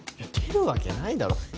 出るわけないだろ。